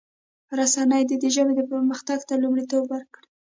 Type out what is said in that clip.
رسنی دي د ژبې پرمختګ ته لومړیتوب ورکړي.